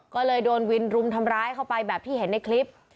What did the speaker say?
ก็เลยโดนวินรุมทำร้ายเข้าไปแบบที่เห็นในคลิป